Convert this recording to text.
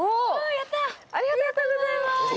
やったありがとうございます！